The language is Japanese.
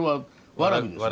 わらびです。